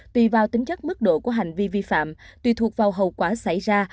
tùy vào tính chất mức độ của hành vi vi phạm tùy thuộc vào hậu quả xảy ra